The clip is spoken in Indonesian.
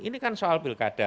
ini kan soal pilkada